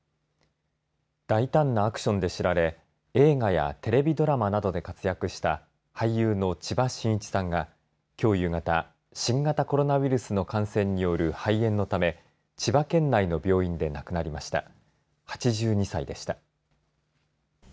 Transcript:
大胆なアクションで知られ映画やテレビドラマなどで活躍した俳優の千葉真一さんがきょう夕方、新型コロナウイルスの感染による肺炎のため千葉県内の病院で亡くなりました。